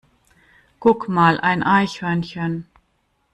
Guck mal, ein Eichhörnchen!